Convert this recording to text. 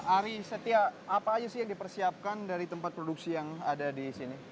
ari setia apa aja sih yang dipersiapkan dari tempat produksi yang ada di sini